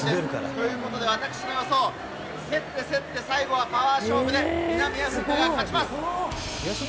ということで、私の予想、競って競って最後はパワー勝負で、南アフリカが勝ちます。